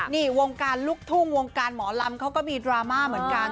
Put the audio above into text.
นี่วงการลูกทุ่งวงการหมอลำเขาก็มีดราม่าเหมือนกัน